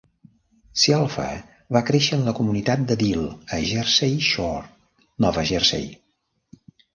Scialfa va créixer en la comunitat de Deal a Jersey Shore, Nova Jersey.